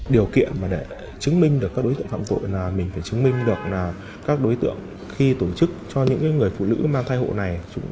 điều kiện mà để chứng minh được các đối tượng phạm tội là mình phải chứng minh được là các đối tượng khi tổ chức cho những người phụ nữ mang thai hộ này